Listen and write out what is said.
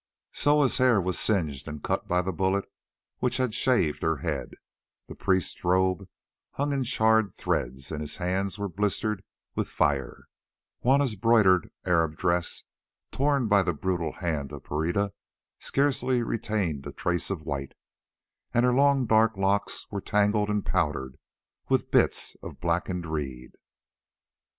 Soa's hair was singed and cut by the bullet which had shaved her head; the priest's robe hung in charred threads, and his hands were blistered with fire; Juanna's broidered Arab dress, torn by the brutal hand of Pereira, scarcely retained a trace of white, and her long dark locks were tangled and powdered with bits of blackened reed.